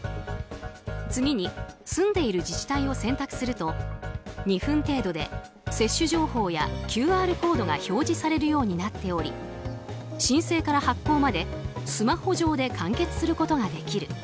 次に住んでいる自治体を選択すると２分程度で接種情報やＱＲコードが表示されるようになっており申請から発行までスマホ上で完結することができる。